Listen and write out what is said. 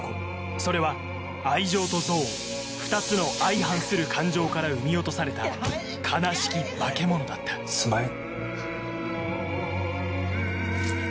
それは愛情と憎悪２つの相反する感情から生み落とされた悲しき化け物だったスマイル。